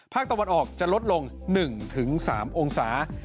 ภาคตะวันออกจะลดลง๑๓องศา